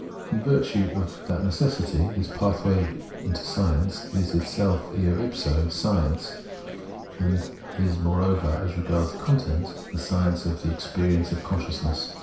In virtue of that necessity this pathway to science is itself eo if so science, and is, moreover, as regards its content. Science of the Experience of Consciousness.